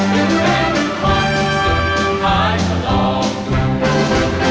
ถึงเป็นคนสุดท้ายก็ลองดู